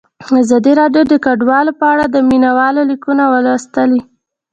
ازادي راډیو د کډوال په اړه د مینه والو لیکونه لوستي.